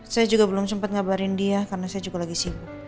saya juga belum sempat ngabarin dia karena saya juga lagi sibuk